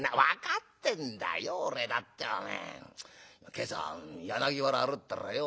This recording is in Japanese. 今朝柳原歩ってたらよ